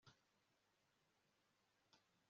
kuko Uwiteka yari yamuhaye ihumure